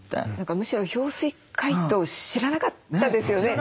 むしろ氷水解凍を知らなかったですよね。